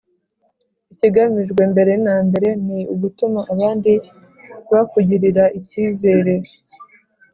Ikigamijwe mbere na mbere ni ugutuma abandi bakugirira ikizere.